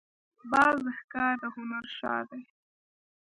باز د ښکار د هنر شاه دی